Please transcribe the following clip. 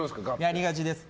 やりがちです。